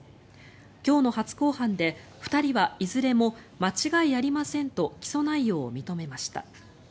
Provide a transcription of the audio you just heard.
今日の初公判で２人はいずれも間違いありませんと起訴内容を認めました。